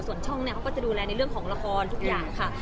ส่วนช่องเนี่ยเขาก็จะดูแลในเรื่องของละครทุกอย่างค่ะ